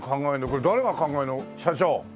これ誰が考えるの社長？